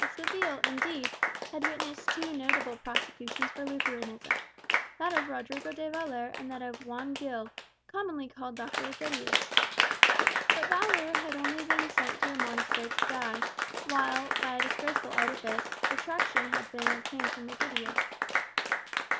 Seville, indeed, had witnessed two notable prosecutions for Lutheranism that of Rodrigo de Valer and that of Juan Gil, commonly called Dr. Egidius. But Valer had been only sent to a monastery to die, while, by a disgraceful artifice, retractation had been obtained from Egidius.